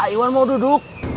iwan mau duduk